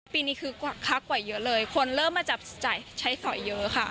ปีนี้คือค้ากว่าเยอะเลยคนเริ่มมาจับจ่ายใช้สอยเยอะค่ะ